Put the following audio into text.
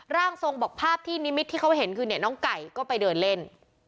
ร่างทรงบอกภาพที่นิมิตที่เขาเห็นคือเนี่ยน้องไก่ก็ไปเดินเล่น